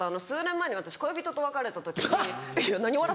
数年前に私恋人と別れた時に。